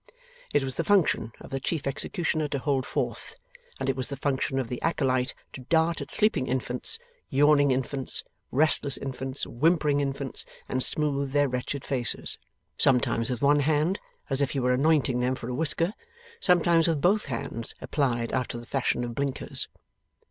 It was the function of the chief executioner to hold forth, and it was the function of the acolyte to dart at sleeping infants, yawning infants, restless infants, whimpering infants, and smooth their wretched faces; sometimes with one hand, as if he were anointing them for a whisker; sometimes with both hands, applied after the fashion of blinkers.